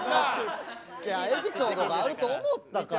エピソードがあると思ったから。